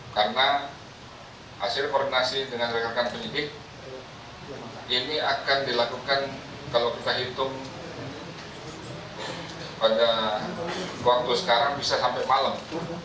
karena hasil koordinasi dengan rekan rekan pendidik ini akan dilakukan kalau kita hitung pada waktu sekarang bisa sampai malam